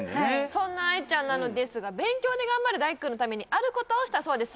そんな愛ちゃんなのですが勉強で頑張る大くんのためにあることをしたそうです